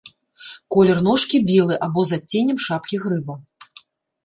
Колер ножкі белы або з адценнем шапкі грыба.